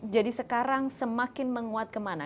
jadi sekarang semakin menguat kemana